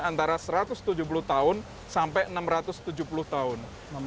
antara satu ratus tujuh puluh tahun sampai enam ratus tujuh puluh tahun